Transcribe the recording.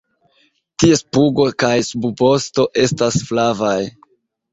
Ties pugo kaj subvosto estas flavaj.